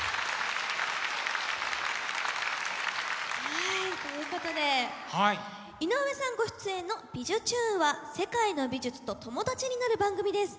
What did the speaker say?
はいということで井上さんご出演の「びじゅチューン！」は世界の「びじゅつ」と友達になる番組です。